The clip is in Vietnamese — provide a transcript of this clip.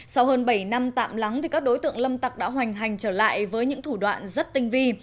sau hơn bảy năm tạm lắng các đối tượng lâm tặc đã hoành hành trở lại với những thủ đoạn rất tinh vi